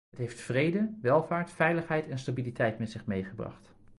Het heeft vrede, welvaart, veiligheid en stabiliteit met zich meegebracht.